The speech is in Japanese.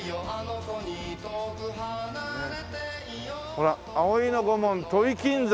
ほら葵の御紋土肥金山。